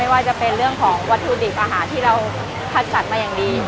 ว่าจะเป็นเรื่องของวัตถุดิบอาหารที่เราคัดจัดมาอย่างดี